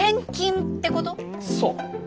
そう。